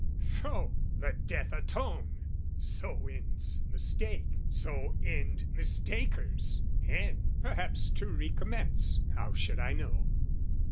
"' So, let death atone! So ends mistake, so end mistakers! end Perhaps to recommence, how should I know?